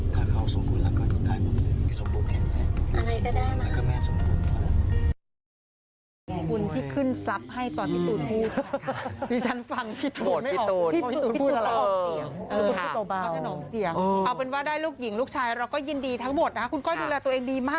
ถ้าเขาสมควรแล้วก็จะได้หมดเลยสมควรแทนแม่